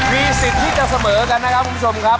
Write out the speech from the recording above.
มีสิทธิ์ที่จะเสมอกันนะครับคุณผู้ชมครับ